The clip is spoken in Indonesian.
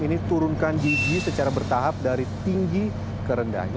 ini turunkan gigi secara bertahap dari tinggi ke rendahnya